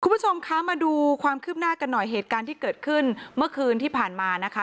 คุณผู้ชมคะมาดูความคืบหน้ากันหน่อยเหตุการณ์ที่เกิดขึ้นเมื่อคืนที่ผ่านมานะคะ